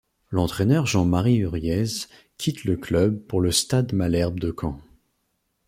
L'entraîneur Jean-Marie Huriez quitte le club pour le Stade Malherbe de Caen.